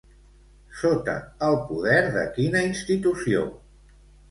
Sota el poder de quina institució?